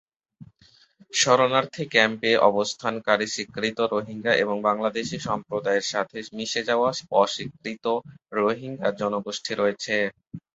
শরণার্থী ক্যাম্পে অবস্থানকারী স্বীকৃত রোহিঙ্গা এবং বাংলাদেশী সম্প্রদায়ের সাথে মিশে যাওয়া অস্বীকৃত রোহিঙ্গা জনগোষ্ঠী রয়েছে।